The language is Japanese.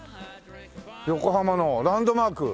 横浜のランドマーク。